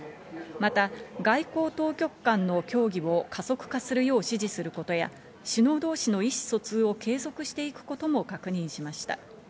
また外交当局間の協議を加速化するよう指示することや首脳同士の意思疎通を継続していくことも確認しました。